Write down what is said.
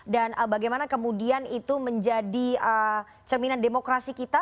dan bagaimana kemudian itu menjadi cerminan demokrasi kita